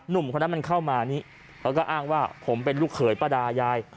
หนุ่มคนนั้นมันเข้ามานี่เขาก็อ้างว่าผมเป็นลูกเขยป้าดายาย